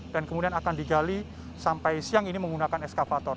dan kemudian akan digali sampai siang ini menggunakan eskavator